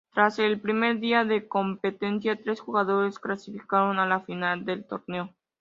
Tras el primer día de competencia, tres jugadores clasificaron a la final del torneo.